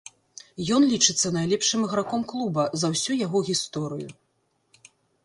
Ён лічыцца найлепшым іграком клуба за ўсю яго гісторыю.